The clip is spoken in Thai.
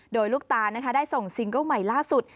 โดยลูกตาได้ส่งซิงเกิ้ลใหม่ล่าสุด